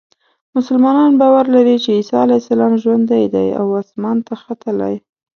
مسلمانان باور لري چې عیسی علیه السلام ژوندی دی او اسمان ته ختلی.